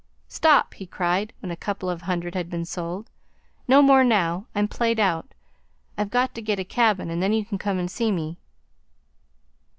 "Stop!" he cried, when a couple of hundred had been sold. "No more now. I'm played out. I've got to get a cabin, and then you can come and see me."